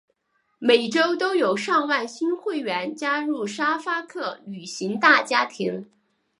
每周都有上万新会员加入沙发客旅行大家庭。